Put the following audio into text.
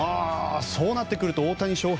そうなってくると大谷翔平